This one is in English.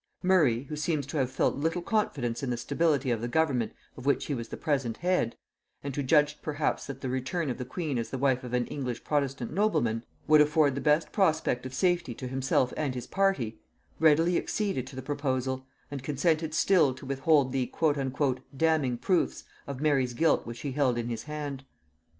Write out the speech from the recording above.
Murray, who seems to have felt little confidence in the stability of the government of which he was the present head, and who judged perhaps that the return of the queen as the wife of an English protestant nobleman would afford the best prospect of safety to himself and his party, readily acceded to the proposal, and consented still to withhold the "damning proofs" of Mary's guilt which he held in his hand.